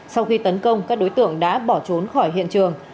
sau khi tấn công các đối tượng đã bỏ trốn khỏi hiện trường